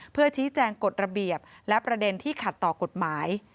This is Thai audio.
เพื่อชี้แจงกฎระเบียบและประเด็นที่ขัดต่อกฎหมาย